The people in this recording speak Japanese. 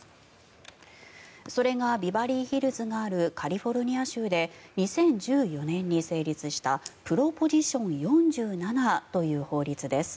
それがビバリーヒルズがあるカリフォルニア州で２０１４年に成立したプロポジション４７という法律です。